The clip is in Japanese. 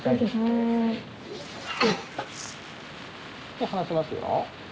手を離しますよ。